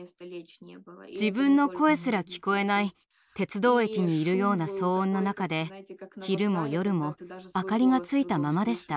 自分の声すら聞こえない鉄道駅にいるような騒音の中で昼も夜も明かりがついたままでした。